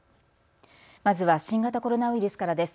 まずは新型コロナウイルスからです。